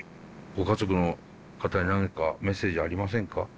ご家族の方に何かメッセージありませんか？